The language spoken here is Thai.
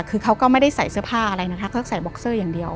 คือเขาก็ไม่ได้ใส่เสื้อผ้าอะไรนะคะเขาใส่บ็อกเซอร์อย่างเดียว